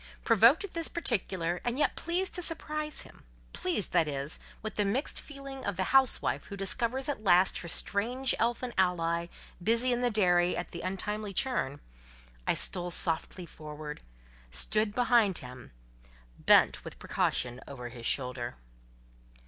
Provoked at this particular, and yet pleased to surprise him—pleased, that is, with the mixed feeling of the housewife who discovers at last her strange elfin ally busy in the dairy at the untimely churn—I softly stole forward, stood behind him, bent with precaution over his shoulder.